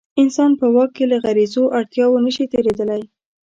انسان په واک کې له غریزو اړتیاوو نه شي تېرېدلی.